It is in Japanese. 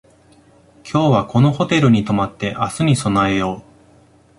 今日はこのホテルに泊まって明日に備えよう